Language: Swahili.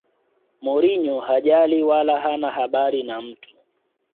mourinho hajali wala hana habari na mtu